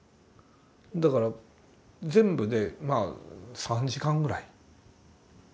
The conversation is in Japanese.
だから全部でまあ３時間ぐらい。